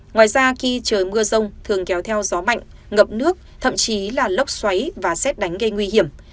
ngoài ra khi trời mưa rông thường kéo theo gió mạnh ngập nước thậm chí là lốc xoáy và xét đánh gây nguy hiểm